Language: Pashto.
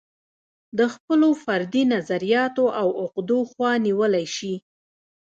د خپلو فردي نظریاتو او عقدو خوا نیولی شي.